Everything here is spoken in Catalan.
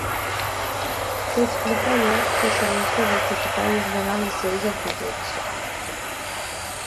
T'explique allò que serveix per rectificar i esmenar les seues actituds.